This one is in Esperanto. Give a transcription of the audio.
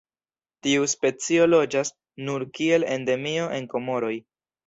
Tiu specio loĝas nur kiel endemio en Komoroj.